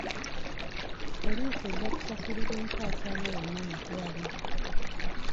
Poliisi ejja kusasulira ensaasaanya yonna mu ddwaliro.